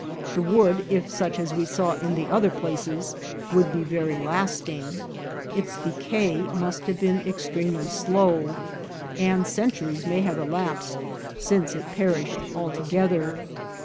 The wood, if such as we saw in the other places, would be very lasting ; its decay must have been extremely slow, and centuries may have elapsed since it perished alto gether.